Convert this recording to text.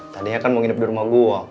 tadinya kan mau nginep di rumah gue